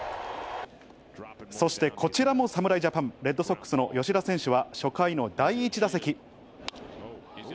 そしてこちらも侍ジャパン、レッドソックスの吉田選手は初回の第１打席。